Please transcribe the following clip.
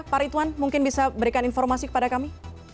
pak ritwan mungkin bisa berikan informasi kepada kami